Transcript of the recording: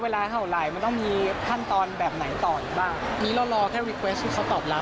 แต่พีชพัชรายืนยันแน่นอนว่าเอาเรื่องจะเงียบไป